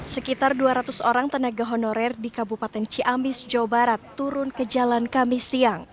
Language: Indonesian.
sekitar dua ratus orang tenaga honorer di kabupaten ciamis jawa barat turun ke jalan kami siang